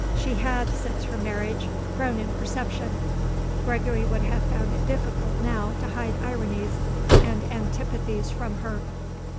She had, since her marriage, grown in perception; Gregory would have found it difficult, now, to hide ironies and antipathies from her.